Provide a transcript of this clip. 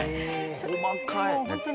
細かい。